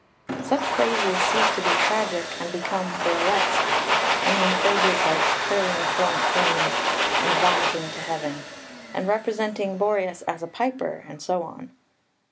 Such phrases cease to be tragic, and become burlesque, I mean phrases like "curling torrent flames" and "vomiting to heaven," and representing Boreas as a piper, and so on.